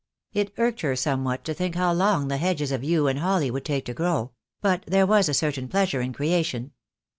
It irked her some what to think how long the hedges of yew and holly would take to grow; but there was a certain pleasure in creation.